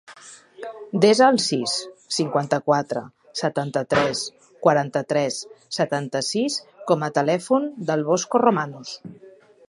Desa el sis, cinquanta-quatre, setanta-tres, quaranta-tres, setanta-sis com a telèfon del Bosco Romanos.